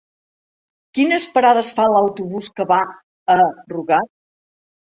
Quines parades fa l'autobús que va a Rugat?